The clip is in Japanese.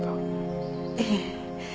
ええ。